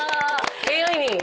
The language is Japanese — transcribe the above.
ＡＩに？